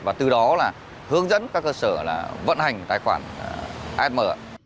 và từ đó là hướng dẫn các cơ sở vận hành tài khoản asm